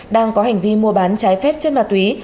đang có hành vi mua bán trái phép chất ma túy